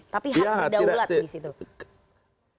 tapi hak berdaulat di situ